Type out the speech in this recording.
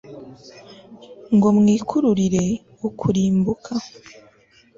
ngo mwikururire ukurimbuka